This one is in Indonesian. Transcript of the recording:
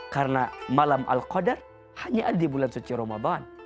karena malam al qadar hanya ada di bulan suci ramadhan